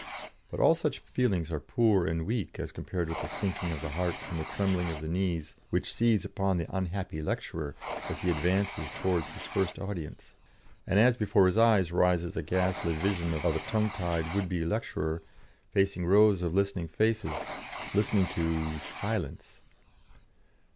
But all such feelings are poor and weak as compared with the sinking of the heart and the trembling of the knees which seize upon the unhappy lecturer as he advances towards his first audience, and as before his eyes rises a ghastly vision of a tongue tied would be lecturer, facing rows of listening faces, listening to silence.